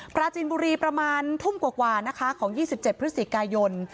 ปราจินบุรีประมาณทุ่มกว่านะคะของ๒๗พฤศจิกายน